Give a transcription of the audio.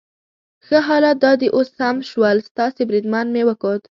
ښه، حالات دا دي اوس سم شول، ستاسي بریدمن مې وکوت.